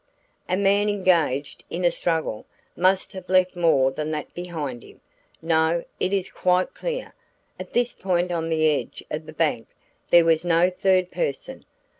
A man engaged in a struggle must have left more than that behind him. No; it is quite clear. At this point on the edge of the bank there was no third person.